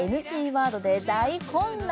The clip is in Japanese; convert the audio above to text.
ＮＧワードで大混乱？